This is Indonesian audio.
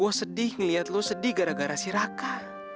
gue sedih ngeliat lo sedih gara gara si raka